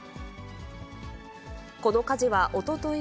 この火事はおととい